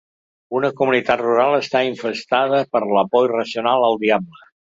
Una comunitat rural està infestada per la por irracional al diable.